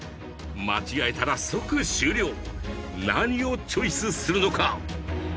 間違えたら即終了何をチョイスするのか？